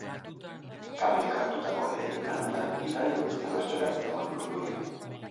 Kamerek hartutako lehen planoetan igarri dut ze bertsolari zegoen urdurien.